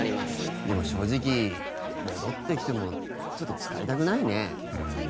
でも正直戻ってきてもちょっと使いたくないね。